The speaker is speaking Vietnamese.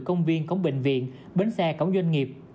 công viên cổng bệnh viện bến xe cổng doanh nghiệp